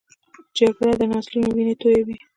جګړه د نسلونو وینې تویوي